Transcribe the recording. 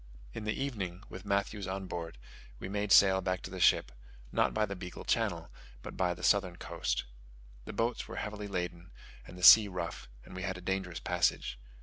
In the evening, with Matthews on board, we made sail back to the ship, not by the Beagle Channel, but by the southern coast. The boats were heavily laden and the sea rough, and we had a dangerous passage.